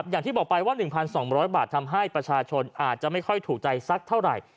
อย่างที่บอกไปว่า๑๒๐๐บาททำให้ประชาชนอาจจะไม่ค่อยถูกใจสักเท่าไหร่